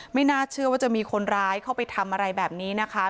ไม่น่าเชื่อว่าจะมีคนร้ายเข้าไปทำอะไรแบบนี้นะคะ